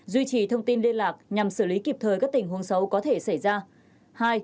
duy trì thông tin liên lạc nhằm xử lý kịp thời các tình huống xấu có thể xảy ra